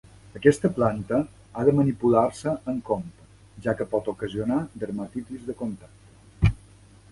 Aquesta planta ha de manipular-se amb compte, ja que pot ocasionar dermatitis de contacte.